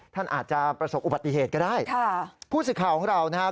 ท่านอาจจะประสบอุบัติเหตุก็ได้ค่ะผู้สื่อข่าวของเรานะครับ